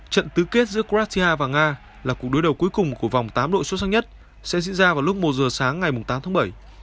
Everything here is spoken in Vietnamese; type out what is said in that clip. trận tứ kết giữa kratia và nga là cuộc đối đầu cuối cùng của vòng tám đội xuất sắc nhất sẽ diễn ra vào lúc một giờ sáng ngày tám tháng bảy